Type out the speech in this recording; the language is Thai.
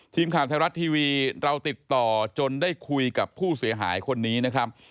ทีมข่าวไทยรัฐทีวีเราติดต่อจนได้คุยกับผู้เสียหายคนนี้นะครับ